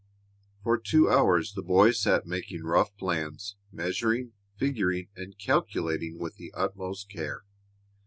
For two hours the boy sat making rough plans, measuring, figuring, and calculating with the utmost care.